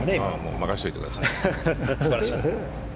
任せておいてください。